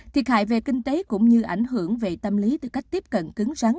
thiệt hại về kinh tế cũng như ảnh hưởng về tâm lý từ cách tiếp cận cứng rắn